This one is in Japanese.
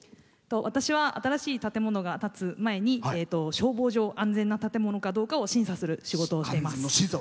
私は新しい建物が建つ前に消防上、安全な建物かどうかを審査する仕事をしています。